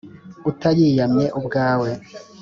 utayiyamye ubwawe !